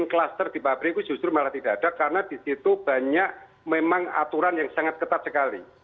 kluster di pabrik itu justru malah tidak ada karena di situ banyak memang aturan yang sangat ketat sekali